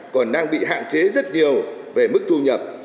còn đang bị hạn chế rất nhiều về mức thu nhập